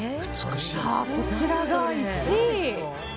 こちらが１位。